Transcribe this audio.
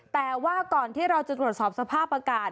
แต่ว่าก่อนที่เราจะตรวจสอบสภาพอากาศ